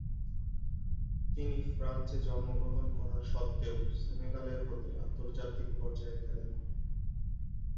তিনি ফ্রান্সে জন্মগ্রহণ করার সত্ত্বেও, সেনেগালের হতে আন্তর্জাতিক পর্যায়ে খেলেন।